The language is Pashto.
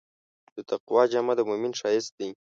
د تقوی جامه د مؤمن ښایست دی.